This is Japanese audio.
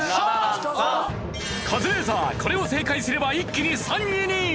カズレーザーこれを正解すれば一気に３位に！